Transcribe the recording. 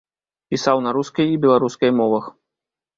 Пісаў на рускай і беларускай мовах.